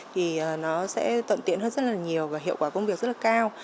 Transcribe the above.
thì nó sẽ tận tiện hơn rất là nhiều và hiệu quả công việc rất là cao